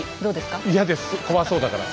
嫌です怖そうだから。